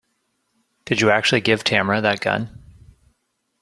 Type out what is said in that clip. Did you actually give Tamara that gun?